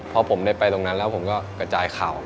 พอผมได้ไปตรงนั้นแล้วผมก็กระจายข่าว